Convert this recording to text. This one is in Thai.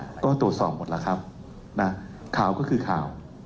เพราะว่าตรวจสอบหมดแล้วครับข่าวก็คือข่าว